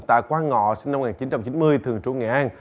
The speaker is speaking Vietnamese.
tạ quang ngọ sinh năm một nghìn chín trăm chín mươi thường trú nghệ an